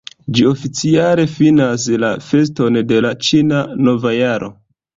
Ĝi oficiale finas la feston de la Ĉina Nova Jaro.